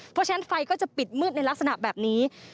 เพราะฉะนั้นไฟก็จะปิดมืดในลักษณะแบบนี้